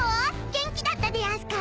元気だったでやんすか？